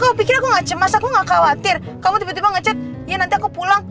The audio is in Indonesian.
kau pikir aku nggak cemas aku nggak khawatir kamu tiba tiba ngecat ya nanti aku pulang